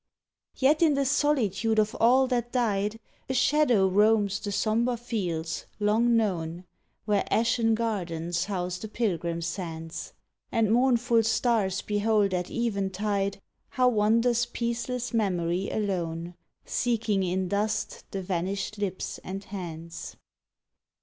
Yet in the solitude of all that died A Shadow roams the somber fields, long known, Where ashen gardens house the pilgrim sands, And mournful stars behold at eventide How wanders peaceless Memory alone, Seeking in dust the vanished lips and hands.